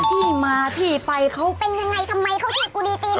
ที่มาที่ไปเขาเป็นอย่างไรทำไมเขาใช้กุรีจีน